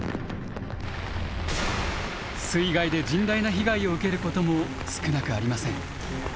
水害で甚大な被害を受けることも少なくありません。